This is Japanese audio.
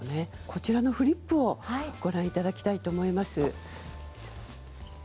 こちらのフリップをご覧いただきたいと思います。